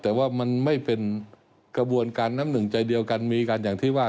แต่ว่ามันไม่เป็นกระบวนการน้ำหนึ่งใจเดียวกันมีการอย่างที่ว่า